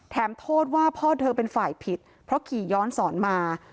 โทษว่าพ่อเธอเป็นฝ่ายผิดเพราะขี่ย้อนสอนมา